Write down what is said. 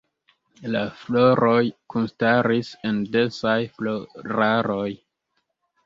La floroj kunstaris en densaj floraroj.